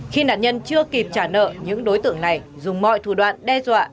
khi nạn nhân chưa kịp trả nợ những đối tượng này dùng mọi thủ đoạn đe dọa